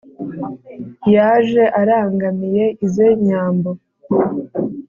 yaje arangamiye ize nyambo